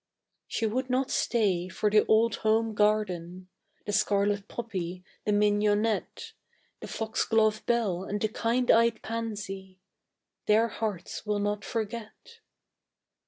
She would not stay for the old home garden; The scarlet poppy, the mignonette, The fox glove bell, and the kind eyed pansy, Their hearts will not forget.